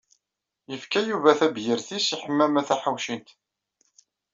Yefka Yuba tabyirt-is i Ḥemmama Taḥawcint.